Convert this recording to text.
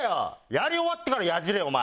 やり終わってから野次れお前！